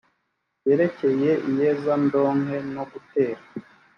byerekeye iyezandonke no gutera